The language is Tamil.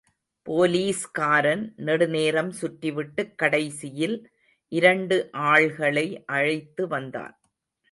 போலீஸ்காரன் நெடுநேரம் சுற்றிவிட்டுக் கடைசியில் இரண்டு ஆள்களை அழைத்து வந்தான்.